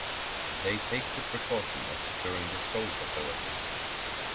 They take the precaution of securing the souls of their enemies.